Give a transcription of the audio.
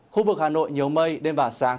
khu vực hà nội nhiều mây đêm và sáng